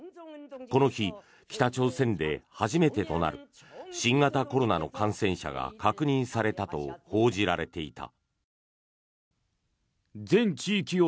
この日、北朝鮮で初めてとなる新型コロナの感染者が確認されたと報じられていた。